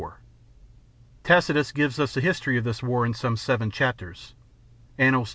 Tacitus gives us the history of this war in some seven chapters (Annals ii.